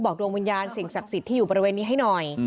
ดวงวิญญาณสิ่งศักดิ์สิทธิ์ที่อยู่บริเวณนี้ให้หน่อย